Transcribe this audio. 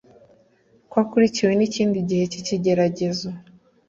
kwakurikiwe n'ikindi gihe cy'ikigeragezo